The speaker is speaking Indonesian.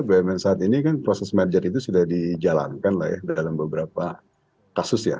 bnm saat ini kan proses merger itu sudah dijalankan dalam beberapa kasus ya